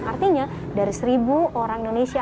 artinya dari seribu orang indonesia